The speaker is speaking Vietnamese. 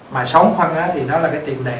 mà sống phân thì đó là cái tiền đề